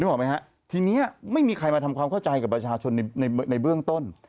ออกไหมฮะทีนี้ไม่มีใครมาทำความเข้าใจกับประชาชนในในเบื้องต้น